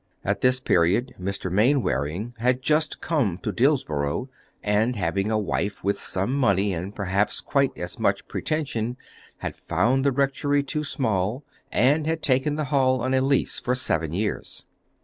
At this period Mr. Mainwaring had just come to Dillsborough, and having a wife with some money and perhaps quite as much pretension, had found the rectory too small, and had taken the Hall on a lease for seven years.